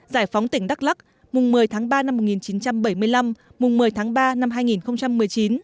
giải phóng tỉnh đắk lắc mùng một mươi tháng ba năm một nghìn chín trăm bảy mươi năm mùng một mươi tháng ba năm hai nghìn một mươi chín